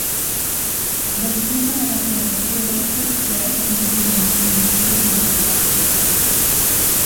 Després de la declaració tots tres mantenen la condició d’investigats per blanqueig.